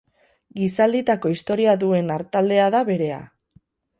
Gizalditako historia duen artaldea da berea.